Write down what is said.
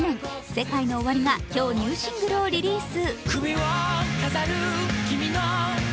ＳＥＫＡＩＮＯＯＷＡＲＩが今日ニューシングルをリリース。